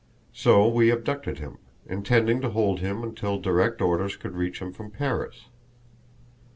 So we abducted him, intending to hold him until direct orders could reach him from Paris.